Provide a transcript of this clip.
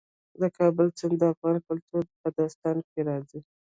د کابل سیند د افغان کلتور په داستانونو کې راځي.